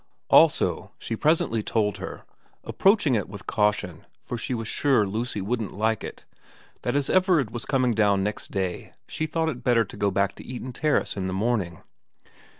ALSO she presently told her, approaching it with caution, for she was sure Lucy wouldn't like it, that as Everard was coming down next day she thought it better to go back to Eaton Terrace in the morning.